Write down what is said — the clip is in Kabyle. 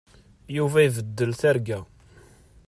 Yuba ibeddel targa.